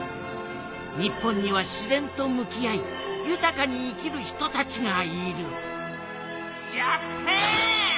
日本には自然とむきあい豊かに生きる人たちがいるジャパン！